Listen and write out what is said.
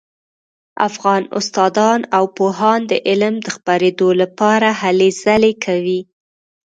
افغان استادان او پوهان د علم د خپریدو لپاره هلې ځلې کوي